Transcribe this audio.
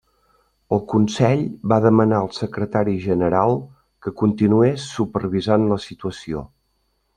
El Consell va demanar al Secretari General que continués supervisant la situació.